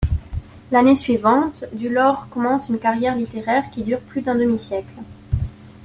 L’année suivante Dulaure commence une carrière littéraire, qui dure plus d’un demi-siècle.